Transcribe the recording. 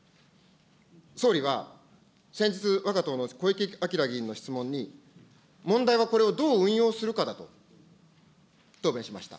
総理は先日、わが党の小池晃議員の質問に、問題はこれをどう運用するかだと答弁しました。